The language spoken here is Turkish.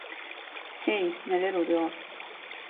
Hey, neler oluyor?